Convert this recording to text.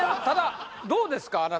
ただどうですか？